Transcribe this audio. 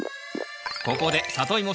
ここでサトイモ